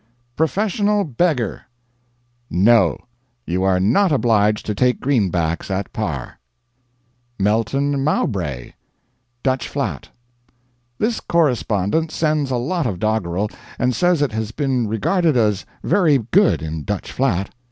"PROFESSIONAL BEGGAR." NO; you are not obliged to take greenbacks at par. "MELTON MOWBRAY," Dutch Flat. This correspondent sends a lot of doggerel, and says it has been regarded as very good in Dutch Flat.